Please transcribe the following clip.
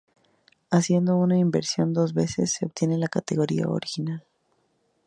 Haciendo esta inversión dos veces se obtiene la categoría original.